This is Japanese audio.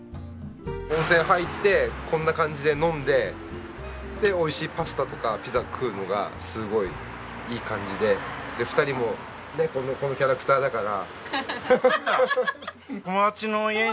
温泉入ってこんな感じで飲んでで美味しいパスタとかピザ食うのがすごいいい感じで２人もこのキャラクターだから。